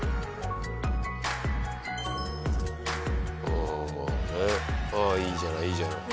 ああいいじゃないいいじゃない。